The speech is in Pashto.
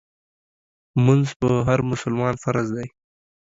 مونځ په هر مسلمان فرض دی